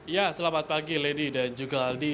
ya selamat pagi lady dan juga aldi